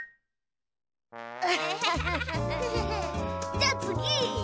じゃあつぎ！